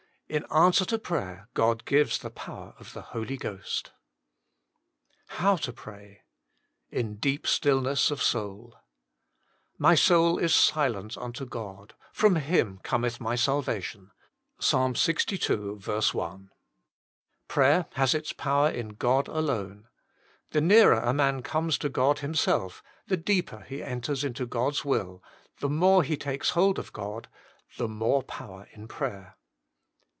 In answer to prayer God gives the power of the Holy Ghost. now TO PRAT. 3fn fcccp ^itllncss of Seoul " My soul is silent unto God : from Him cometh my salva tion." P.s. Ixii. 1. Prayer lias its power in God alone. The nearer a man comes to God Himself, the deeper he enters into God s will ; the more he takes hold of God, the more power in prayer.